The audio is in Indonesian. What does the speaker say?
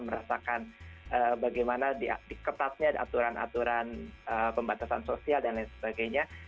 merasakan bagaimana diketatnya aturan aturan pembatasan sosial dan lain sebagainya